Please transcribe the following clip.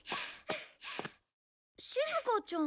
しずかちゃん。